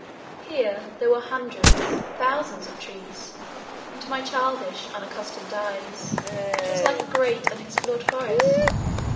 Here there were hundreds, thousands of trees, and to my childish unaccustomed eyes it was like a great unexplored forest.